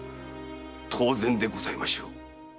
当然でございましょう。